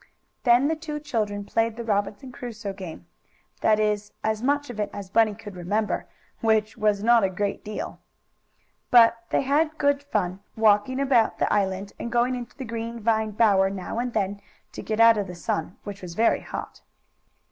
Then the two children played the Robinson Crusoe game; that is, as much of it as Bunny could remember, which was not a great deal. But they had good fun, walking about the island, and going into the green vine bower now and then to get out of the sun, which was very hot.